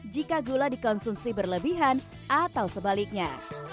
jika gula dikonsumsi berlebihan atau sebaliknya